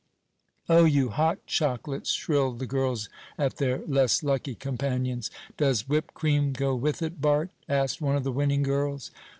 "Oh you hot chocolates!" shrilled the girls at their less lucky companions. "Does whipped cream go with it, Bart?" asked one of the winning girls.